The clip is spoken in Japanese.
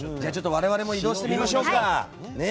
我々も移動してみましょうか。